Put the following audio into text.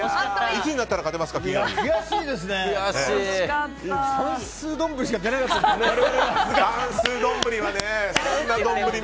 いつになったら勝てますか水曜日に。